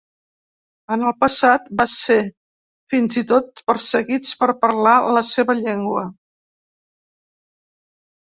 En el passat, van ser fins i tot perseguits per parlar la seva llengua.